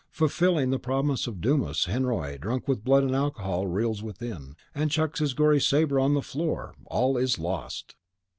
Fulfilling the prophecy of Dumas, Henriot, drunk with blood and alcohol, reels within, and chucks his gory sabre on the floor. "All is lost!"